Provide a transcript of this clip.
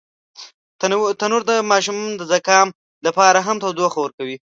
تنور د ماشوم د زکام لپاره هم تودوخه ورکوي